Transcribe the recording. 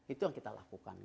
itu yang kita lakukan